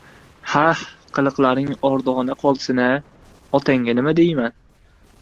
Xah qiliqlaring ordona qolsin-a! Otangga nima deyman!